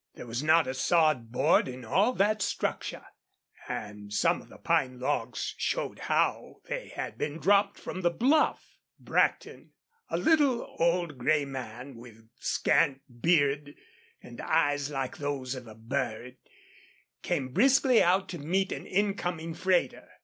There was not a sawed board in all that structure, and some of the pine logs showed how they had been dropped from the bluff. Brackton, a little old gray man, with scant beard, and eyes like those of a bird, came briskly out to meet an incoming freighter.